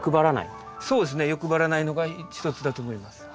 そうですね。欲張らないのが一つだと思います。